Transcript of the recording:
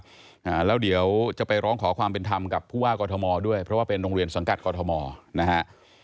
อ่าแล้วเดี๋ยวจะไปร้องขอความเป็นธรรมกับผู้ว่ากอทมด้วยเพราะว่าเป็นโรงเรียนสังกัดกรทมนะฮะ